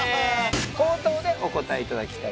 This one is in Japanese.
口頭でお答え頂きたい。